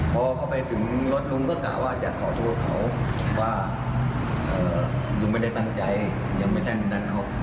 พอเข้าไปถึงรถลุงก็กล่าวว่าจะขอโทษเขาว่าลุงไม่ได้ตั้งใจยังไม่ทันดันเขา